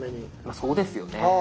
そうですよね。